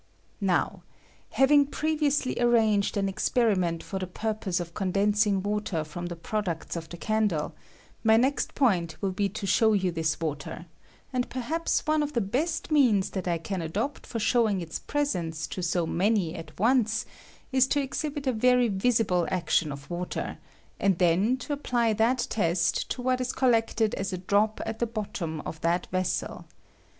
Now, having previously arranged an experi ment for the purpose of condensing water from the products of the candle, my next point will be to show you this water ; and perhaps one of the best means that I can adopt for showing its presence to so many at once is to eshibit a very visible action of water, and then to apply that test to what is collected as a drop at the bottom of that vessel.